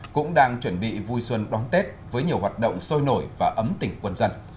cũng đang chuẩn bị vui xuân đón tết với nhiều hoạt động sôi nổi và ấm tỉnh quân dân